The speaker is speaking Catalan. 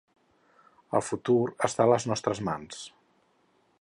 El futur està a les nostres mans.